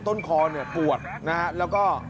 ต้นคอเนี่ยปวดนะฮะแล้วก็